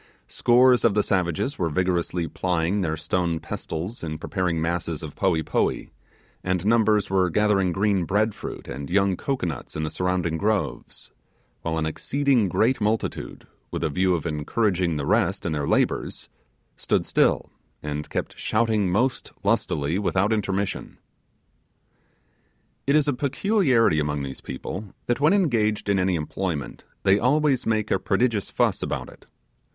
Scores of the savages were vigorously plying their stone pestles in preparing masses of poee poee, and numbers were gathering green bread fruit and young cocoanuts in the surrounding groves; when an exceeding great multitude, with a view of encouraging the rest in their labours, stood still, and kept shouting most lustily without intermission. It is a peculiarity among these people, that, when engaged in an employment, they always make a prodigious fuss about it.